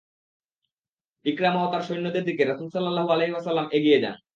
ইকরামা ও তার সৈন্যদের দিকে রাসূল সাল্লাল্লাহু আলাইহি ওয়াসাল্লাম এগিয়ে যান।